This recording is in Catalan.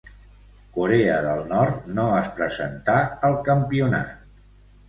Corea del Nord no es presentà al campionat.